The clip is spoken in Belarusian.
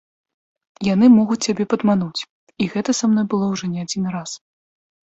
Яны могуць цябе падмануць, і гэта са мной было ўжо не адзін раз.